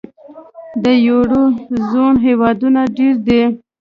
د یورو زون هېوادونه ډېر دي.